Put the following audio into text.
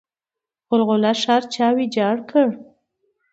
غلغله ښار چا ویجاړ کړ؟